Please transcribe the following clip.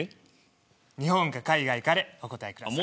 日本か海外かでお答えください。